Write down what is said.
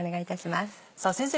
さぁ先生